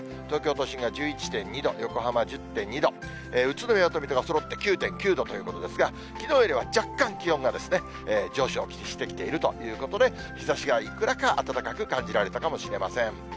東京都心が１１．２度、横浜１０．２度、宇都宮と水戸がそろって９．９度ということですが、きのうよりは若干、気温が上昇してきているということで、日ざしがいくらか暖かく感じられたかもしれません。